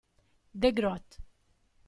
De Groot.